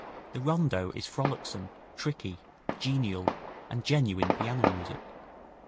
The rondo is frolicksome, tricky, genial and genuine piano music.